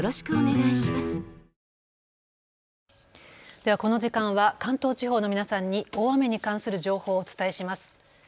ではこの時間は関東地方の皆さんに大雨に関する情報をお伝えします。